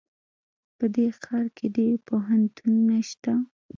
په دې ښار کې ډېر پوهنتونونه شته